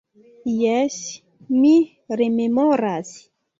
Jes, mi rememoras.